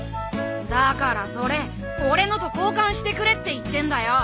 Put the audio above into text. だからそれ俺のと交換してくれって言ってんだよ。